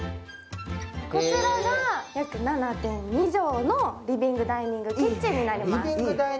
こちらが約７．２畳のリビングダイニングキッチンになります。